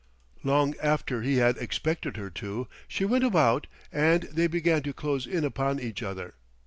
Long after he had expected her to, she went about and they began to close in upon each other.